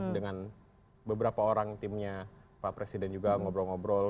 dengan beberapa orang timnya pak presiden juga ngobrol ngobrol